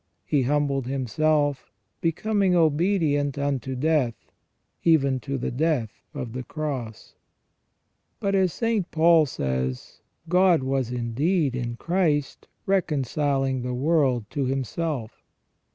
He humbled Himself, becoming obedient unto death, even to the death of the Cross." But, as St. Paul says :" God was indeed in Christ, reconciling the world to Himself".